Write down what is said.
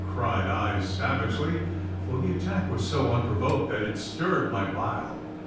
cried I savagely, for the attack was so unprovoked that it stirred my bile.